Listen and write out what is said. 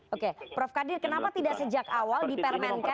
oke prof kadir kenapa tidak sejak awal di permenkes